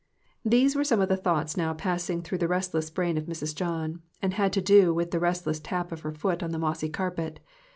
These were some of the thoughts now passing through the restless brain of Mrs. John, and had to do with the restless tap of her foot on the mossy carpet.